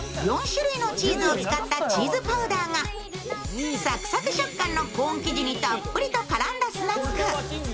４種類のチーズを使ったチーズパウダーがサクサク食感のコーン生地にたっぷりと絡んだスナック。